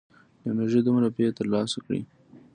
له مېږې دومره پۍ تر لاسه کړې.